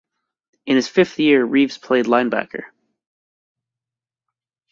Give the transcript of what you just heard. In his fifth year Reeves played linebacker.